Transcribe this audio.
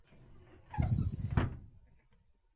আমি দুঃখিত, এসব আমারই ভুল।